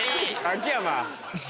秋山。